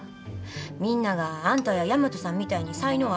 みんながあんたや大和さんみたいに才能あるわけやないやろ。